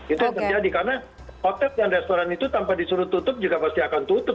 itu yang terjadi karena hotel dan restoran itu tanpa disuruh tutup juga pasti akan tutup